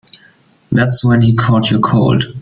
That's when he caught your cold.